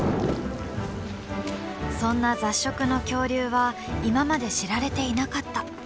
そんな雑食の恐竜は今まで知られていなかった。